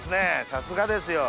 さすがですよ。